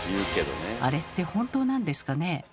あれって本当なんですかね？